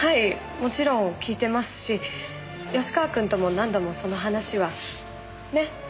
もちろん聞いてますし芳川くんとも何度もその話は。ね？